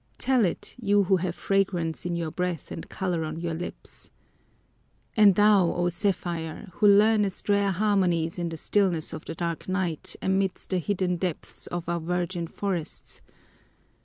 Tell it, you who have fragrance in your breath and color on your lips. And thou, O zephyr, who learnest rare harmonies in the stillness of the dark night amid the hidden depths of our virgin forests!